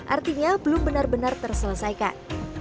artinya belum benar benar terselesaikan